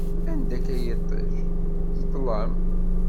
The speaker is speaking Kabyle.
Anda-k a yiṭij, d ṭlam!